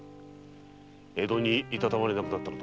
江戸にいたたまれなかったのだ。